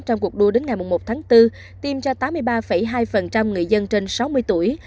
trong cuộc đua đến ngày một tháng bốn tiêm ra tám mươi ba hai người dân trên sáu mươi tuổi